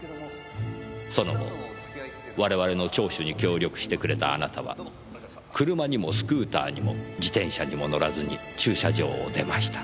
その後我々の聴取に協力してくれたあなたは車にもスクーターにも自転車にも乗らずに駐車場を出ました。